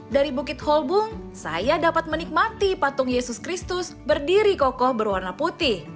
dari bukit holbung saya dapat menikmati patung yesus kristus berdiri kokoh berwarna putih